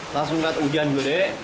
langsung lihat hujan gede